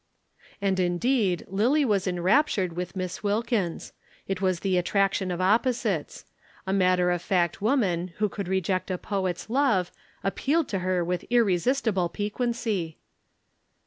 And, indeed, Lillie was enraptured with Miss Wilkins. It was the attraction of opposites. A matter of fact woman who could reject a poet's love appealed to her with irresistible piquancy.